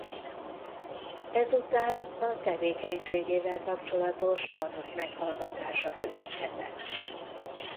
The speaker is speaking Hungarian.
Ezután a tevékenységével kapcsolatos tanúk meghallgatása következett.